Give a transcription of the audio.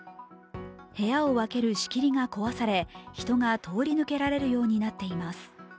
部屋を分ける仕切りが壊され、人が通り抜けられるようになっています。